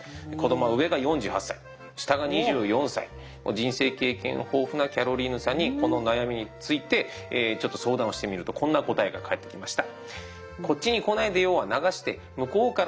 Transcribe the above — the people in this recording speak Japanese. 人生経験豊富なキャロリーヌさんにこの悩みについてちょっと相談をしてみるとこんな答えが返ってきました。